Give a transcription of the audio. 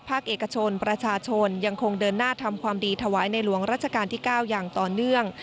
เอกชนประชาชนยังคงเดินหน้าทำความดีถวายในหลวงราชการที่๙อย่างต่อเนื่อง